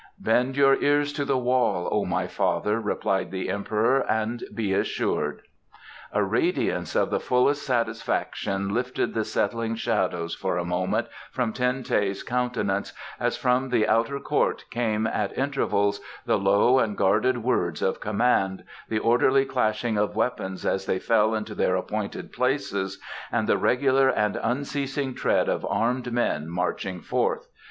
"Bend your ears to the wall, O my father," replied the Emperor, "and be assured." A radiance of the fullest satisfaction lifted the settling shadows for a moment from Ten teh's countenance as from the outer court came at intervals the low and guarded words of command, the orderly clashing of weapons as they fell into their appointed places, and the regular and unceasing tread of armed men marching forth.